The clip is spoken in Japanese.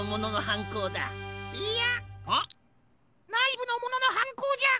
ハ？ないぶのもののはんこうじゃ！